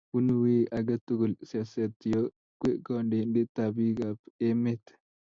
bunu wiy age tugul siaset yo kwee kandoindet bikap emet